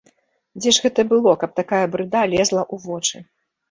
Дзе ж гэта было, каб такая брыда лезла ў вочы?!